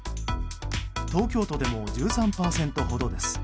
東京都でも１３％ほどです。